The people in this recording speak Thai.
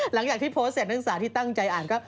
หลังจากที่โพสต์แสดงสารที่ตั้งใจอ่านก็